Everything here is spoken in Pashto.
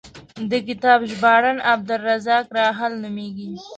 د کتاب ژباړن عبدالرزاق راحل نومېږي.